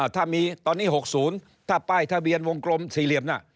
ถ้ามีตอนนี้๖๐ถ้าป้ายทะเบียนวงกลมสี่เหลี่ยมน่ะ